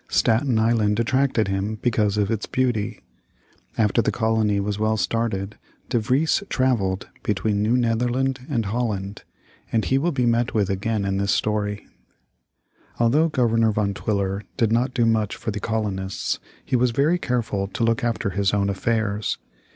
Staten Island attracted him because of its beauty. After the colony was well started, De Vries travelled between New Netherland and Holland, and he will be met with again in this story. [Illustration: Landing of Dutch Colony on Staten Island.] Although Governor Van Twiller did not do much for the colonists, he was very careful to look after his own affairs.